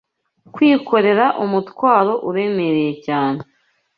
kwikorera umutwaro uremereye cyane